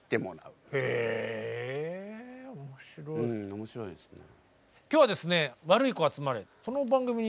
うん面白いですね。